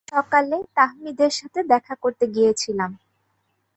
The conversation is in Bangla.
সকালে তাহমিদের সাথে দেখা করতে গিয়েছিলাম।